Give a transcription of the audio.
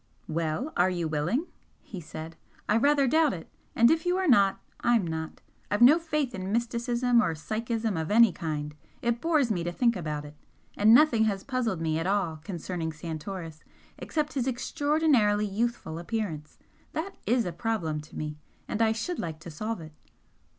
"Well, are you willing?" he said "I rather doubt it! And if you are, I'm not. I've no faith in mysticism or psychism of any kind. It bores me to think about it. And nothing has puzzled me at all concerning Santoris except his extraordinarily youthful appearance. That is a problem to me, and I should like to solve it."